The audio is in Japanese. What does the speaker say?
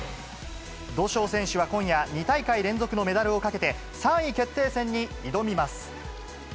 土性選手は今夜、２大会連続のメダルをかけて、３位決定戦に挑みます。